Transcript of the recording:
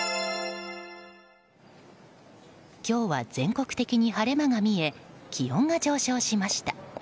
今日は全国的に晴れ間が見え気温が上昇しました。